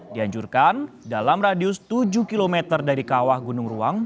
dianjurkan dalam radius tujuh km dari kawah gunung ruang